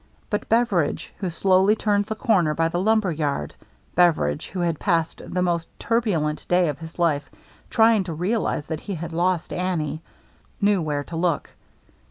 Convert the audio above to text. But Beveridge, who slowly turned the corner by the lumber yard, — Beveridge, who had passed the most turbulent day of his life trying to real ize that he had lost Annie, — knew where to look.